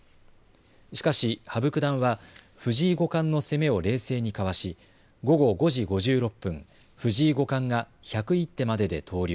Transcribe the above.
しかし羽生九段は藤井五冠の攻めを冷静にかわし午後５時５６分、藤井五冠が１０１手までで投了。